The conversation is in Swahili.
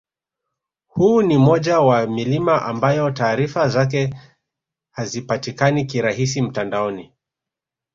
Huu ni moja ya milima ambayo taarifa zake hazipatikani kirahisi mtandaoni